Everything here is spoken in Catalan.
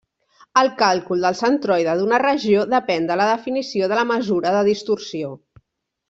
El càlcul del centroide d'una regió depèn de la definició de la mesura de distorsió.